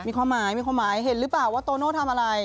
มีความหมายมีความหมายเห็นหรือเปล่าว่าโตโน่ทำอะไร